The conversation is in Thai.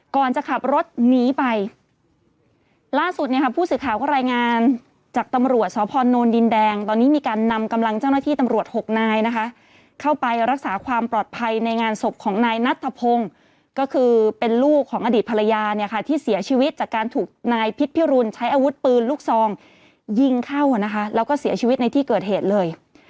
เข้าไปรักษาความปลอดภัยในงานศพของนายนัททะพงก็คือเป็นลูกของอดีตภรรยาเนี่ยค่ะที่เสียชีวิตจากการถูกนายพิษพิรุนใช้อาวุธปืนลูกซองยิงเข้านะคะแล้วก็เสียชีวิตในที่เกิดเหตุเลย